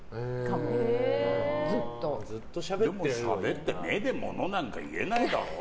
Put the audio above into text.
目でしゃべるって目でものなんか言えないだろ。